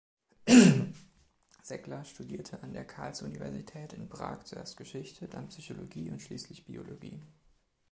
Sekla studierte an der Karls-Universität in Prag zuerst Geschichte, dann Psychologie und schließlich Biologie.